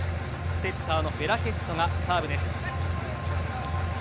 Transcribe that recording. セッターのベラスケトがサーブです。